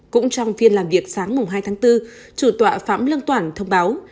cũng trong phiên làm việc sáng hai tháng bốn chủ tọa phạm lương toản thông báo